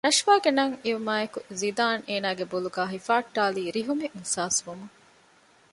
ނަޝްވާގެ ނަން އިވުމާއިއެކު ޒިދާން އޭނާގެ ބޮލުގައި ހިފަހައްޓާލީ ރިހުމެއް އިހުސާސްވުމުން